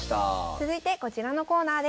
続いてこちらのコーナーです。